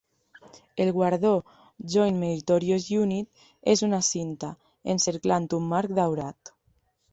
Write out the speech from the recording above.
El Guardó Joint Meritorious Unit és una cinta, encerclant un marc daurat.